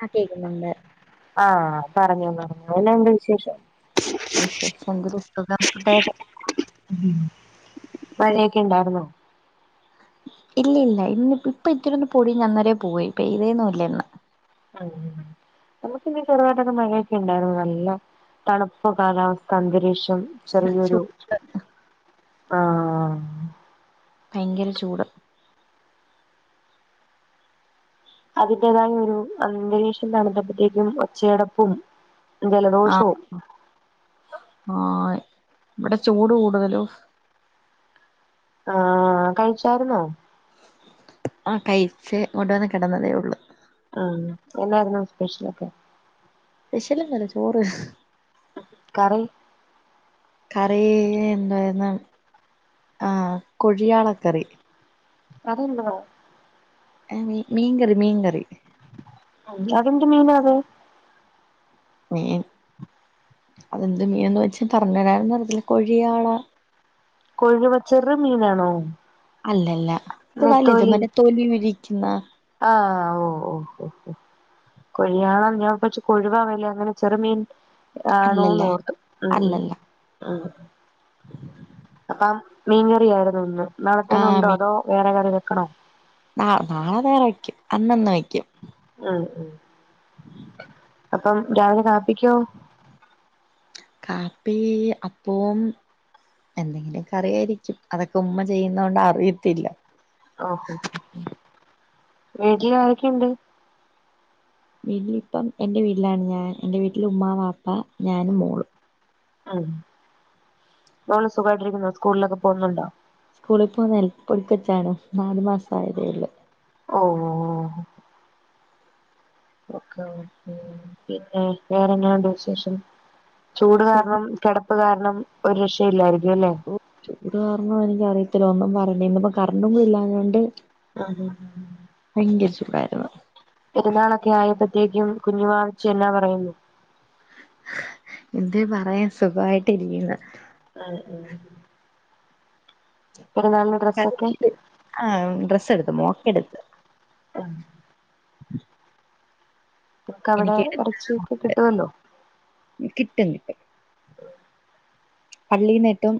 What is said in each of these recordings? ആ കേക്കുന്നുണ്ട് ആഹ് പറഞ്ഞോ പറഞ്ഞോ എന്നാ ഉണ്ട് വിശേഷം [unintelligible] മഴയൊക്കെ ഇണ്ടായിരുന്നോ ഇല്ല ഇല്ല ഇന്ന് ഇപ്പൊ ഇത്രൊന്ന് പൊടിഞ്ഞ് ന്നരേ പോയി പെയ്തേ ഒന്നുമില്ല ഇന്ന് ഉം നമുക്കിന്ന് ചെറുതായിട്ടൊക്കെ മഴയൊക്കെ ഉണ്ടായിരുന്നു നല്ല തണുപ്പ് കാലാവസ്ഥ അന്തരീക്ഷം ഇവിടെ ചൂ ചെറിയൊരു ആ ഭയങ്കര ചൂട് അതിന്റെതായ ഒരു അന്തരീക്ഷം തണുത്തപ്പോഴത്തേക്കും ഒച്ചയടപ്പും ആഹ് ജലദോഷവും ആഹ് ഇവിടെ ചൂട് കൂടുതലു ആഹ് കഴിച്ചായിര്ന്നോ ആ കഴിച്ചേ മുടെന്നെ കെടന്നതേ ഉള്ളു ആഹ് എന്നായിരുന്നു സ്പെഷലൊ ക്കെ സ്പെഷ്യലൊന്നുല്ല ചോറ് കറി കറീ എന്തായിന്ന ആ കുഴിയാളക്കറി അതെന്താ മീ മീൻകറി മീൻകറി അത് എന്ത് മീനാ അത് മീൻ അതെന്ത് മീൻന്ന് വെച്ചാ പറഞ്ഞ് തരാനൊന്നും അറിയത്തില്ല കൊഴിയാളാ കൊഴുവ ച്ചെറ് മീനാണോ അല്ലല്ല ഇത് വലുത് നെത്തോലി മറ്റേ തൊലി ഉരിക്കുന്ന ആഹ് ഓ ഓ ഹൊ ഹൊ കൊഴിയാണ ഞാൻ പച്ച് കൊഴുവാ വല്ലെ ങ്ങനെ ചെറുമീൻ അല്ലല്ല താണൂന്നോർത്തു ഉം അല്ലല്ല ഉം ഉം അപ്പം മീൻകറിയായിരുന്നു ഇന്ന് നാളെത്തേനുണ്ടോ അതോ വേറെ കറി വെ ക്കണോ ന നാളെ വേറെ വയ്ക്കും അന്നന്ന് വയ്ക്കും ഉം ഉം അപ്പം രാവിലെ കാപ്പിക്കോ കാപ്പി അപ്പവും എന്തെങ്കിലു കറിയായിരിക്കും അതൊക്കെ ഉമ്മ ചെയ്യുന്നോണ്ട് അറിയത്തില്ല ഓഹോ വീട്ടില് ആരൊക്കെയിണ്ട് വീട്ട്ല് ഇപ്പം എൻറെ വീട്ടിലാണ് ഞാൻ എൻറെ വീട്ടിൽ ഉമ്മ വാപ്പ ഞാനും മോളും ഉം മോള് സുഖമായിട്ടിരിക്കുന്നോ സ്കൂളിലൊക്കെ പോവുന്നുണ്ടോ സ്കൂളിൽ പോകുന്നെയൽ [unintelligible] പൊടി തെച്ചാണൊ നാലു മാസം ആയതേ ഒള്ളു ഓഓ ഓ ഒക്കെ ഉം പിന്നെ വേറെ [unintelligible] ന്നണ്ട് വിശേഷം ചൂട് കാരണം കെടപ്പ് കാരണം ണം ഒരു രക്ഷയില്ലായിരിക്കും അല്ലേ ഓ ചൂട് കാരണം എനികറിയ ത്തിലൊന്നും പറഞ്ഞ് ഇന്നിപ്പ കറണ്ടും കൂടി ഇല്ലാഞ്ഞോണ്ട് ആഹ് ഹാ വരുണു പെരുന്നാളൊക്കെ ആയപ്പോ ത്ത്യേക്കും കുഞ്ഞുവാവച്ചി എന്നാ പറയുന്നു എന്തേ പറയാൻ സുഖായിട്ട് ഇരിക്ക്ന്നു ആഹ് ഉം [unintelligible] ആ ഡ്രസ്സ് എടുത്ത് മോ എടുത്ത് ആഹ് ഇക്ക അവിടെ എനിക്ക് എറച്ചിയൊക്കെ കിട്ടുവല്ലോ കിട്ടും പള്ളിന്നിട്ടും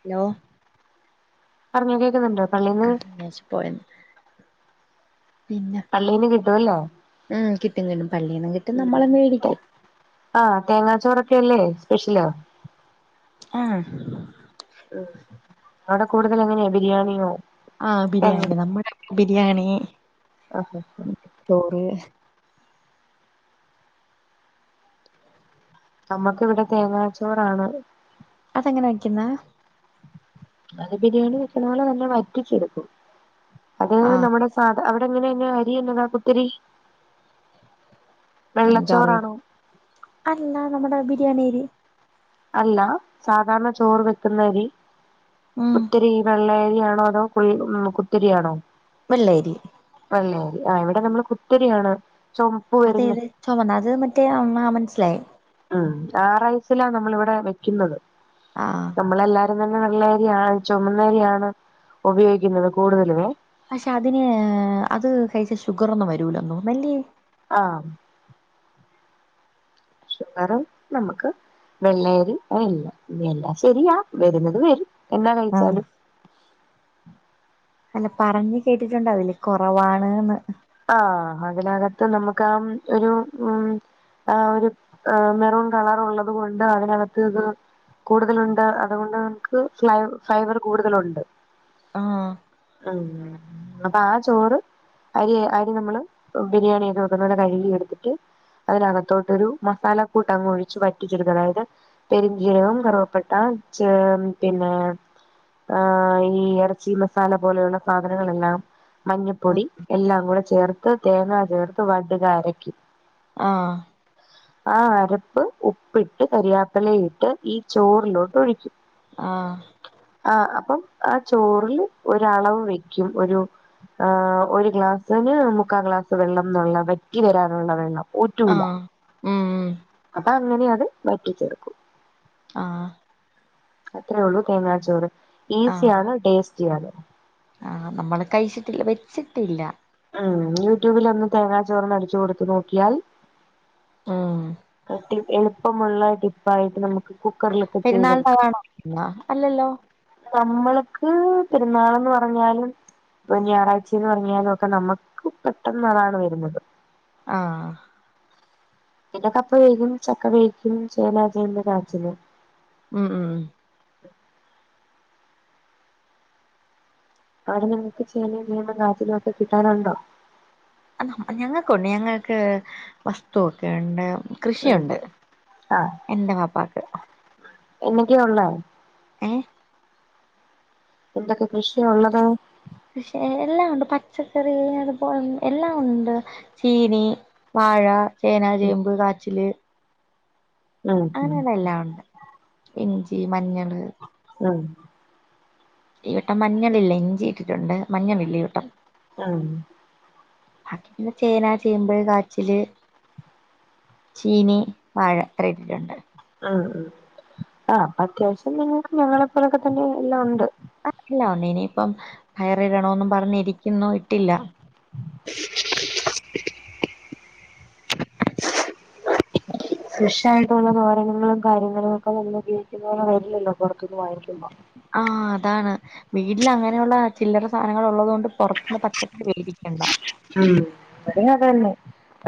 ഹലോ പറഞ്ഞോ കേക്കുന്നുണ്ട് ആ ഞാൻച്ച് പോയന്ന് പിന്നെ പള്ളീന്ന് കിട്ടുവല്ലേ ഉം കിട്ടും കിട്ടും പള്ളീന്നും കിട്ടും നമ്മള് മേടിക്കും ആ തേങ്ങാച്ചോറൊക്കെല്ലേ സ്പെഷ്യലാ ആ ഉം അവിടെ കൂടുതൽ എങ്ങനെയാ ബിരിയാണിയോ ആ തേങ്ങ ബിരിയാണി നമ്മുടെ ബിരിയാണി ആഹാ ചോറ് നമക്ക് ഇവിടെ തേങ്ങാച്ചോറാണ് അതെങ്ങനെ വക്കുന്ന അത് ബിരിയാണി വെക്കുന്ന പോലെ തന്നെ വറ്റിച്ചെടുക്കും അത് ആഹ് നമ്മുടെ സാധ അ എങ്ങനെെ അരിയന്നതാ കുത്തിരി എ കറി വെള്ളച്ചോറാണോ അല്ല നമ്മടെ ബി ണരി അല്ല സാധാരണ ചോറ് വെക്കുന്നരി ഉം ഒത്തിരി വെള്ളയ കുരിയാണോ അതോ കു ഉം കുത്തിരിയാണോ വെള്ളേരി ല്ലരി ആ് ഇവിടെ നമ്മള് കുത്തരിയാണ് അതെ അതെ ചുമന്ന അത് മറ്റേ ആ മനസ്സിലായി ഉം ആറൈസിലാ നമ്മൾ ഇവിടെ വെക്കുന്നത് ആഹ് നമ്മളെല്ലാ അ തന്നെ വെള്ളരിയാണ് ചുമന്നരിയാണ് ഉപയോഗിക്കുന്നത് കൂടുതലേ ഉം പക്ഷെ അതിന് അത് കഴിച്ച ഷുഗർന്നും വരൂലന്നു തോന്നു അല്ലേ ആ ഷുഗറും നമുക്ക് വെള്ളയരി അല്ല ഇല്ല ശരിയാ വരുന്നത് വരും എന്നന്താ ആഹ് കഴിച്ചാലും അല്ല പറഞ് കേട്ടിട്ടുണ്ട് അതില് കുറവാണ്ന്ന് ആ അതിനകത്ത് നമുക്ക് ആ ഒരു ഉം ആ ഒരു മെറൂൺ കളർ ഉള്ളത് കൊൊണ്ട് അതിനകത്ത് ഇത് കൂടുതലുണ്ട് അതുകൊണ്ട് നമുക്ക് ഫ്ലൈ ഫൈബർ കൂടുതലുണ്ട് ആ ഉം അപ്പൊ ആ ചോറ് പരി കാര്യം നമ്മള് ബിരിയാണി ചെയത് വെക്കുന്നലെ കഴുകി എടുത്തിട്ട് അതിനകത്തോട്ടോരു മസാല കൂട്ട് അങ്ങങ് ഒഴിു പറ്റിച്ചെടുത്ത് അതായത് പെരിഞ്ചീരകവും കറുവപ്പട്ട പിന്നെ ഈ ഇറച്ചി മസാല പോലെയുള്ള സാധനങ്ങളെല്ലാം മഞ്ഞപ്പൊടി എല്ലാം കൂടെ ചേർത്ത് തേങ്ങാ ചേർത്ത് വട്ടുക അരക്കി ആ ആ അരപ്പ് ഉപ്പിട്ട് കരിയാപ്പല ഇട്ട് ഈ ചോറിലോട്ട് ഒഴിക്കും ആഹ് ആ അപ്പം ആ ചോറില് ഒരളവ് വെക്കും ഒരു ആ ഒരു ഗ്ലാസ് അതിന് മുക്കാം ഗ്ലാസ് വെള്ളം എന്നുള്ള വെറ്റി തരാനുള്ള വെള്ളം ഒറ്റൂല ആഹ് ഉം ഉം അപ്പൊ അങ്ങനെ അത് വറ്റിച്ചേർക്കും ആഹ് അത്രേ ഒള്ളു തേങ്ങാച്ചോറ് ആഹ് ഈസിയാണ് ടേസ്റ്റ് അതെ ആഹ് നമ്മള് കഴിച്ചിട്ടില്ല വെച്ചിട്ടില്ല ഉം യൂട്യൂബില് ഒന്ന് തേങ്ങാ ചോറ് ന്ന്‌ അടിച്ച് കൊടുത്തു നോക്കിയാൽ ഉം കട്ടി എളുപ്പമുള്ള ടിപ്പായിട്ട് നമുക്ക് കുക്കറിലൊക്കെ ചെയ്തെടുക്കാം പെരുന്നാളിനതാണോ അല്ലല്ലോ ക്ക് പെരുന്നാള് ന്ന്‌ പറഞ്ഞാലും ഒരു ഞായറാഴ്ച്ചാന്നു പറഞ്ഞാലും ക്കെ നമുക്ക് പെട്ടെന്ന് അതാണ് വരുന്നത് ആഹ് പിന്നെ കപ്പ വേവിക്കും ചക്ക വേവിക്കും ചേന, ചേമ്പ്, കാച്ചില് ഉം ഉംഉം അവിടെ നിങ്ങക്ക് ചേനയും, ചേമ്പും കാച്ചിലും ഒക്കെ കിട്ടാനുണ്ടോ അ ഞങ്ങൾക്കുണ്ട് ഞങ്ങൾക്ക് വസ്തു ഒക്കെയുണ്ട് ഉം കൃഷിയുണ്ട് ആ എന്റെ ബാപ്പാക്ക് എന്തൊക്കെയാ ഉള്ളെ ഏ എന്തൊക്കെ കൃഷിയാ ഉള്ളത് കൃഷി എല്ലാം ഉണ്ട് പച്ചക്കറി അതുപോലെ എല്ലാം ഉണ്ട് ചീനി, വാഴ ചേന, ഉം ചേമ്പ്, കാച്ചില് ഉം അങ്ങനെയുള്ള എല്ലാം ഉണ്ട് ഇഞ്ചി മഞ്ഞള് ഉം ഈ വട്ടം മഞ്ഞളില്ല ഇഞ്ചി ഇട്ടിട്ടുണ്ട് മഞ്ഞളില്ല ഈവട്ടം ഉം ബാക്കി പിന്നെ ചേന, ചേമ്പ്, കാച്ചില്, ചീനി, വാഴ ഇത്രയും ഇട്ടിട്ടുണ്ട് ആഹ് ആ ആ അത്യാവശ്യം നിങ്ങൾക്ക് ഞങ്ങളെപ്പോലൊക്കെ തന്നെ എല്ലാം ഉണ്ട് അതല്ല ഇനിയിപ്പം പയറിടണോന്നും പറഞ് ഇരിക്കുന്നു ഇട്ടില്ല [unintelligible] ഫ്രഷ് ആയിട്ടുള്ള സാധനങ്ങളും കാര്യങ്ങളും ഒക്കെ നമ്മള് ഉപയോഗിക്കുന്ന പോലെ വരില്ലല്ലോ പൊറത്തുന്ന് വാങ്ങിക്കുമ്പം ആഹ് അതാണ് വീട്ടിൽ അങ്ങനെയുള്ള ചില്ലറ സാധനങ്ങൾ ഉള്ളത് കൊണ്ട് പൊറത്തുനിന്ന് പച്ചക്കറി വേടിക്കണ്ട ഉം അതെ അത് തന്നെ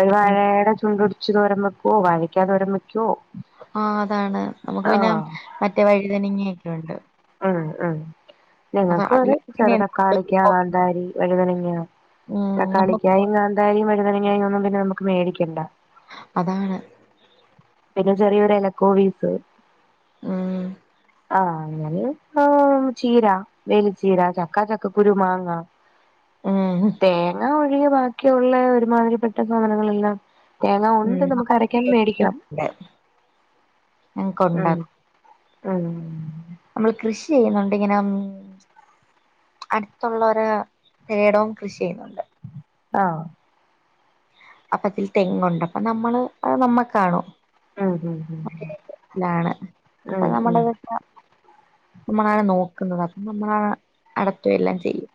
ഒരു ഉം വഴയുടെ ചുണ്ട് ഒടിച് ച്ച് തോരൻ വക്കുവോ വാഴയ്ക്ക തോരൻ വയ്ക്കുവോ ആ അതാണ് നമുക്ക് പിന്നെ മറ്റേ വഴിതനങ്ങയും ക്കെയുണ്ട് ഉം ഉം ഞങ്ങൾക്കും അതെ അതില് പിന്നെ ചെറു എന്ത് തക്കാളിക്കാ, കൊടുക്കുമ്പോ കാന്താരി, വഴുതനങ്ങ ഉം നമുക്ക് തക്കാളിക്കായും കൊ- കാന്താരിയും വഴുതനങ്ങായും ഒന്നും പിന്നെ നമുക്ക് ക്ക്‌ മേടിക്കണ്ട അതാണ് പിന്നെ ചെറിയൊരു എല ക്കോവീസ് ആഹ് ആഹ് ഞല് ആ ചീര വേലിച്ചീര ചക്കാ ചക്ക കുരു മാങ്ങ ഉം [unintelligible] ബാക്കിയുള്ള ഒരുമാതിരിപ്പെട്ട സാനങ്ങളെല്ലാം തേങ്ങ ഉണ്ട് നമുക്ക് അരക്കാൻ മേടിക്കണം ങ്ങക്ക് ഉം ഉണ്ടാക്കും ഉം നമ്മൾ കൃഷി യ്യുന്നുണ്ട് ഇങ്ങനം അടുത്തുള്ളരു രയിടവും കൃഷി യ്യുന്നുണ്ട് ആഹ് അപ്പൊ തിൽ തെങ്ങുണ്ട് അപ്പൊ നമ്മള് അത് നമ്മ കാണും ഉം ഉ ഉ ഉം ഉ മ്മളാണ് നോക്കുന്നത് അപ്പ നമ്മളാ അടത്തുവ എല്ലാം ചെയ്യും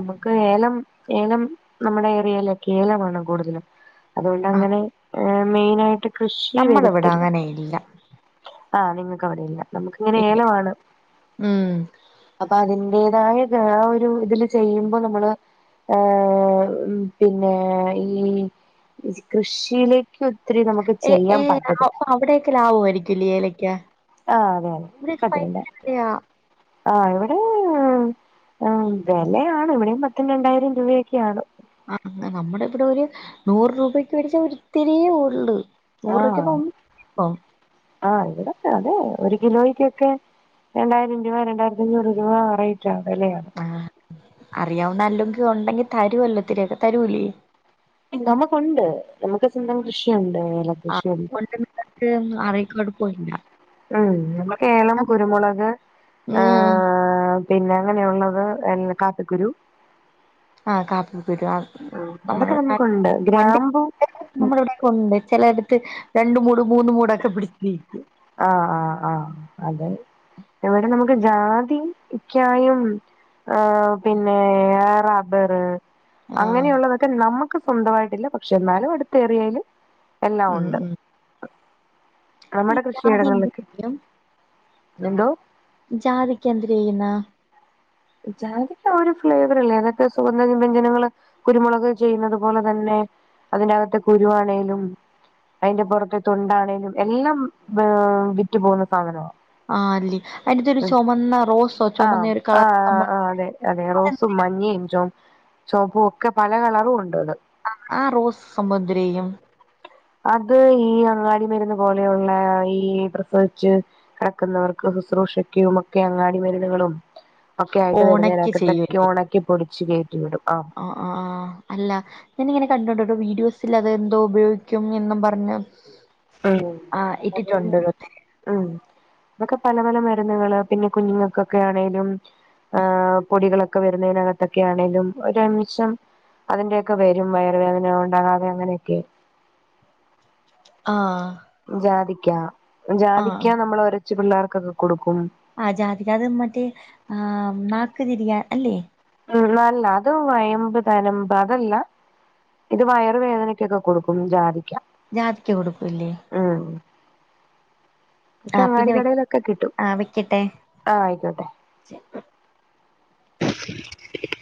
ഉമുക്ക് ഏലം ഏലം നമ്മുടെ ഏറിയയിലൊകെ ഏലമാണ് കൂടുതലും അതുകൊണ്ട് ആ അങ്ങനെ എ മെയിനായിട്ട് കൃഷി നമ്മളിവിടെ വരത്തില്ല അങ്ങനെയില്ല ആ നിങ്ങക്കവിടെയില്ല നമുക്ക് ഇങ്ങനെ ഏല വാണ് ഉം പ്പ അതിന്റെതായ ഗാ ഒരു ഇതില് ചെയ്യുമ്പോ നമ്മള് ഏ പിന്നെ ഈ കൃഷിയിലേക്ക് ഒത്തിരി നമുക്ക് എ ഏ ചെയ്യാൻ അ പറ്റത്തില്ല അവിടെക്കെ ലാവുമായിരിക്കുലെ ഏല ക്യാ ആഹ് അതെൻ അത് പിന്നെ ആ് ഇവിടെ എമ് വെലയാണ് ഇവിടെയും പത്തും രണ്ടായിരം രൂപയൊ ആ നമ്മുടെ ഇവിടെ ഒരു നൂറ് രൂപക്ക് മേടിച്ച ഒരി ഇത്തിരിയേ ഉള്ളു നൂറൊകെ ആഹ് പോം പോ ആഹ് ഇവിടൊക്കെ അതെ ഒരു കിലോയ്ക്കൊക്കെ രണ്ടായിരം രൂപ രണ്ടായിരത്തി അഞ്ഞൂറ് രൂപ അയി [unintelligible] ആ അറിയാവുന്ന അല്ലുങ്കി ഉണ്ടെങ്കി തരുവല്ലോ ഇതിരിയൊക്കെ തരൂലേ നമുക്കുണ്ട് നമുക്ക് സ്വന്തം കൃഷിയുണ്ട് ആ ഏലകൃഷിയുണ്ട് [unintelligible] അറി [unintelligible] ഉം നമ്മക്ക് ഏലം കുരുമുളക് ആ ഉം പിന്നെ അങ്ങനെയുള്ളത് എ കാപ്പിക്കുരു ആഹ് കാപ്പ പ്പിക്കുരു ഉം അതൊക്കെ നമ്മള നമുക്കുണ്ട് കണ്ടി ഗ്രാമ്പു നമ്മള ഇവിടെ ഉണ്ട് ചിലടുത്ത് രണ്ട് മൂട് മൂന്ന് മൂടൊക്കെ [unintelligible] ആഹ് ആഹ് ആഹ് അതെ ഇവിടെ നമുക്ക് ജാതിക്കായും പിന്നെ റബ്ബറ് ആഹ് അങ്ങനെയുള്ളതൊക്കെ നമുക്ക് സ്വന്തമായിട്ടില്ല പക്ഷെ എന്നാലും അടുത്ത ഏരിയയില് എല്ലാം ഉം ഉണ്ട് ഉം നമ്മുടെ കൃഷ അതെന്ത് ചെയ്യും എന്തോ ജാതിക്ക് എന്തെ ചെയ്യുന്ന ജാതിക്കാ ഒരു ഫ്ലേവർ അല്ലേ ഏതൊക്കെ സുഗന്ധ വ്യഞ്ജനങ്ങള് കുരുമുളക് ചെയ്യുന്നത് പോലെ തന്നെ അതിന്റെകത്തെ കുരുവാണെലും അതിന്റെ പുറത്തെ തൊണ്ട ആണെങ്കലും എല്ലാം ഏർ വിറ്റു പോകുന്ന സാധന ആ അല്ലേ അതിന്ത്ത ഒരു ചുമന്ന റോസോ ചുമന്ന ഒരു കളർ ആ സംഭവം ആ അതെ അതെ റോസും അതെന്ത് മഞ്ഞയും ചോ ചോപ്പും ഒക്കെ പല കളറും ഉണ്ട് അത് ആ ആ റോസ് സമുദ്രയും അത് ഈ അങ്ങാടി മരുന്ന് പോലെയുള്ള ഈ പ്രസവിച്ച് കിടക്കുന്നവർക്ക് ശുശ്രൂഷയ്ക്കു ഒക്കെ അങ്ങാടി മരുന്നുകളും ഒക്കെ ആയിട്ട് ഓണക്ക ചെയ്യ വരുന്നതിനകത്തൊക്കെ [unintelligible] ഉണക്കി പൊടിച്ച് കയറ്റി വിടും ആഹ് ആ ആ അല്ല ഞാനിങ്ങനെ കണ്ടണ്ടട്ടോ വീഡിയോസ് വിഡിയോസ് അതെന്തോ ഉപയോഗിക്കും എന്നും പറഞ്ഞ് ഉം ആഹ് ഇട്ടിട്ടുണ്ട് ഓരോരുത്തര്. ഉം അതൊക്കെ പല പല മ മാറുന്നകളെ പിന്നെ കുഞ്ഞുങ്ങൾക്കൊക്കെ ആണെലും പൊടികളൊക്കെ വരുന്നതിനകത്തൊക്കെ ആണെലും ഒരുമിഷം അതിന്റെൊക്കെ വരും വയർ വേദന ഉണ്ടാകാതെ അങ്ങനെയൊക്കെ ആ ജാതിക്ക ജാതിക്കാ നമ്മളോഒരു കൊച്ചു പിള്ളേർക്ക കൊടു ആ ജാതി അത് മറ്റേ ആ ന തിരിയാ അല്ലേ ഉം നല്ല അത് വയമ്പ് തനമ്പ് അതല്ല ഇത് വയറുവേദനക്കൊക്കെ കൊടുക്കും ജാതി ജാതിക്ക കൊടുക്കല്ലേ പിന്നെ ഒക്കെങ്ങാടിക്കടയിലൊക്കെ കിട്ടും ആ വെക്കട്ടെ ആ ആയിക്കോട്ടെ [inaudible]